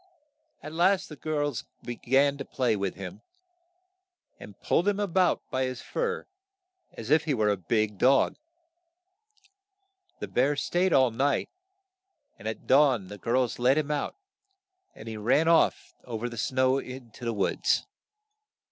At last the girls be gan to play with him, and pulled him a bout by his fur as if he were a big dog. The bear staid all night, and at dawn the girls let him out, and he ran off o ver the snow to the woods.